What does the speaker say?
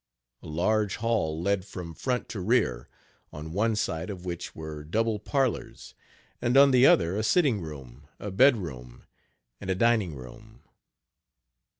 A large hall led from front to rear, on one side of which were double parlors, and on the other a sitting room, a bedroom and a dining room.